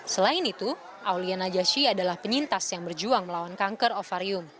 selain itu aulia najashi adalah penyintas yang berjuang melawan kanker ovarium